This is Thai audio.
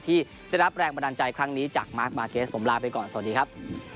ที่ได้รับแรงบันดาลใจครั้งนี้จากมาร์คมาร์เกสผมลาไปก่อนสวัสดีครับ